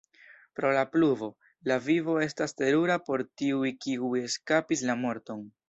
Pro la pluvo, la vivo estas terura por tiuj kiuj eskapis la morton.